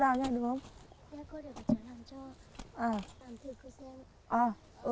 dạ cô để cháu làm cho